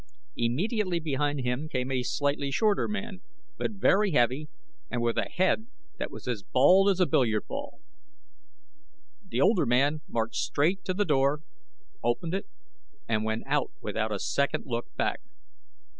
Immediately behind him came a slightly shorter man, but very heavy and with a head that was bald as a billiard ball. The older man marched straight to the door, opened it and went out without a second look back.